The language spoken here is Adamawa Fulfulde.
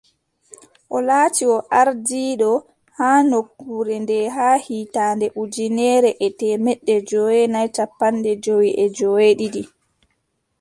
O laati o ardiiɗo haa nokkure nde haa hitaande ujineere e temeɗɗe joweenay cappanɗe jowi e joweeɗiɗi.